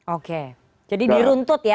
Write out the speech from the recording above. oke jadi diruntut ya